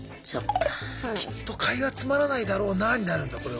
「きっと会話つまらないだろうな」になるんだこれは。